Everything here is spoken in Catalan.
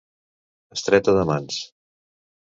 Estreta de mans.